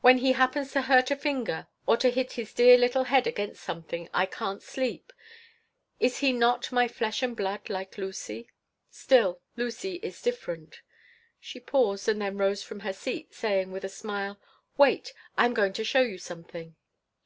When he happens to hurt a finger or to hit his dear little head against something I can't sleep. Is he not my flesh and blood like Lucy? Still, Lucy is different." She paused and then rose from her seat, saying, with a smile: "Wait. I am going to show you something."